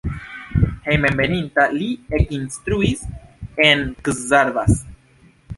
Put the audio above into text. Hejmenveninta li ekinstruis en Szarvas.